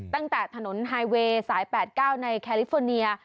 ตั้งแต่ถนนไฮเวย์สาย๘๙ในแคลิฟอร์เนีย